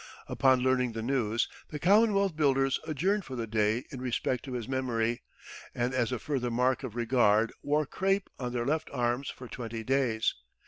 Upon learning the news, the commonwealth builders adjourned for the day in respect to his memory; and as a further mark of regard wore crape on their left arms for twenty days.